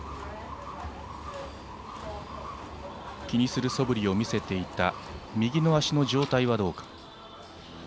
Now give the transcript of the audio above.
気にするそぶりを見せていた右の足の状態はどうか。